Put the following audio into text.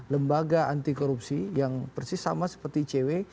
lembaga anti korupsi yang persis sama seperti icw